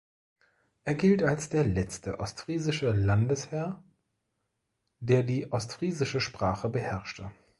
Er gilt als der letzte ostfriesische Landesherr, der die ostfriesische Sprache beherrschte.